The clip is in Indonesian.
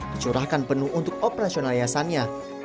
dicurahkan penuh untuk operasionaliasannya